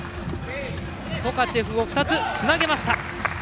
トカチェフを２つつなげました。